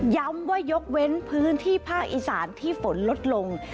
ย้ำว่ายกเว้นพื้นที่ภาคอีสานที่ฝนลดลง